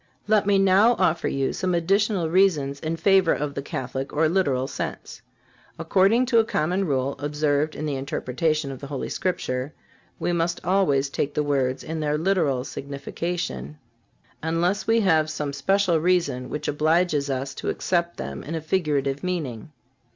Let me now offer you some additional reasons in favor of the Catholic or literal sense. According to a common rule observed in the interpretation of the Holy Scripture, we must always take the words in their literal signification, unless we have some special reason which obliges us to accept them in a figurative meaning.